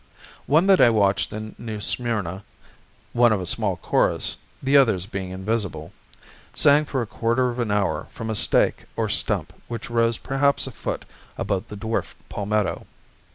One that I watched in New Smyrna (one of a small chorus, the others being invisible) sang for a quarter of an hour from a stake or stump which rose perhaps a foot above the dwarf palmetto.